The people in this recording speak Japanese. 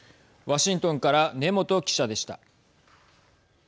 ワシントンから根本記者でした。